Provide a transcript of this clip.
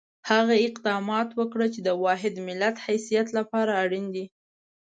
هغه اقدامات وکړو چې د واحد ملت حیثیت لپاره اړین دي.